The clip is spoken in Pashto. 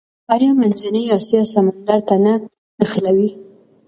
آیا منځنۍ اسیا سمندر ته نه نښلوي؟